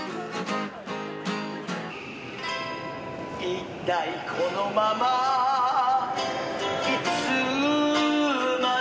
「いったいこのままいつまで」